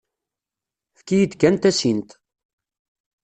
Efk-iyi-d kan tasint.